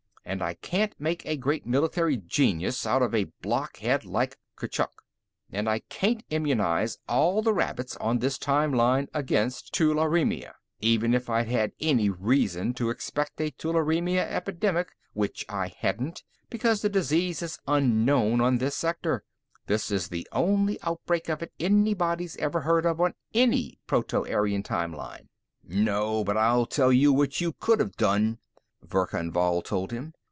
"And I can't make a great military genius out of a blockhead like Kurchuk. And I can't immunize all the rabbits on this time line against tularemia, even if I'd had any reason to expect a tularemia epidemic, which I hadn't because the disease is unknown on this sector; this is the only outbreak of it anybody's ever heard of on any Proto Aryan time line." "No, but I'll tell you what you could have done," Verkan Vall told him.